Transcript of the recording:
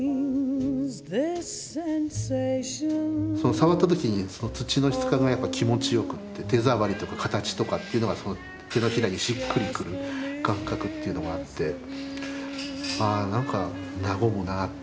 触った時に土の質感がやっぱ気持ちよくて手触りとか形とかっていうのが手のひらにしっくりくる感覚というのがあってあ何か和むなっていう。